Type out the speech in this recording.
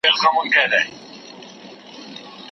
استاد په پراخ زړه خپل معلومات زما سره شریک کړل.